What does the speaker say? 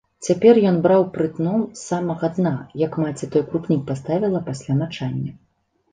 Цяпер ён браў прытном з самага дна, як маці той крупнік паставіла пасля мачання.